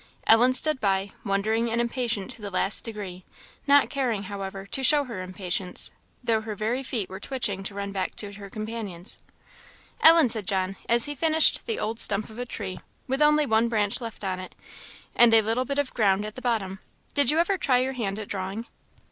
Ellen stood by, wondering and impatient to the last degree; not caring, however, to show her impatience, though her very feet were twitching to run back to her companions. "Ellen," said John, as he finished the old stump of a tree, with one branch left on it, and a little bit of ground at the bottom, "did you ever try your hand at drawing?"